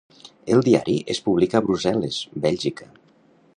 El diari es publica a Brussel·les, Bèlgica.